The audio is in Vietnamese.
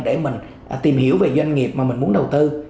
để mình tìm hiểu về doanh nghiệp mà mình muốn đầu tư